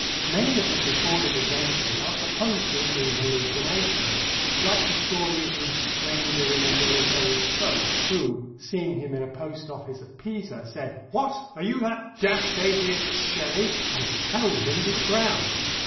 Many of his recorded adventures are supposed to have been hallucinations, like the story of the "stranger in a military cloak," who, seeing him in a post office at Pisa, said, "What! Are you that d d atheist, Shelley?" and felled him to the ground.